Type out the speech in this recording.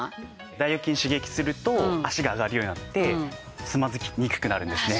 大腰筋を刺激すると脚が上がるようになってつまずきにくくなるんですね。